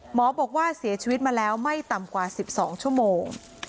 หมอบอกว่าเสียชีวิตมาแล้วไม่ต่ำกว่า๑๒ชั่วโมง